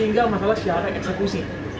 tinggal masalah secara eksekusi